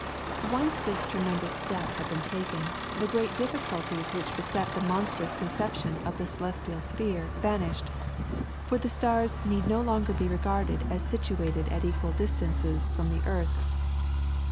Once this tremendous step had been taken, the great difficulties which beset the monstrous conception of the celestial sphere vanished, for the stars need no longer be regarded as situated at equal distances from the earth.